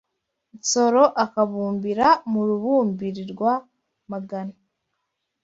Nsoro akabumbira mu Rubumbirirwa-magana